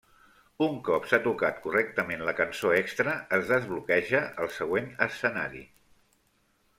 Un cop s'ha tocat correctament la cançó extra, es desbloqueja el següent escenari.